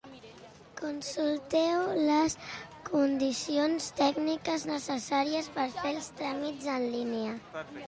Consulteu les condicions tècniques necessàries per fer els tràmits en línia.